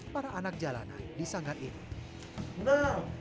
para anak jalanan di sanggar ini